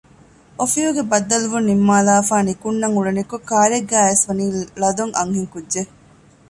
އޮފީހުގެ ބައްދަލުވުން ނިންމާލާފައި ނިކުންނަން އުޅެނިކޮން ކާރެއްގައި އައިސް ވަނީ ޅަދޮން އަންހެންކުއްޖެއް